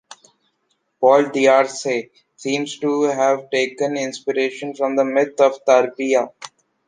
Paul Diacre seems to have taken inspiration from the myth of Tarpeia.